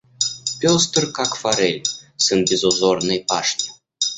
Пестр, как форель, сын безузорной пашни.